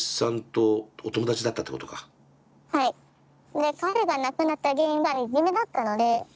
で彼が亡くなった原因がいじめだったので。